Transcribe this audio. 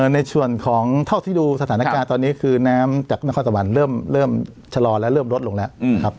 ในส่วนของเท่าที่ดูสถานการณ์ตอนนี้คือน้ำจากนครสวรรค์เริ่มชะลอและเริ่มลดลงแล้วครับ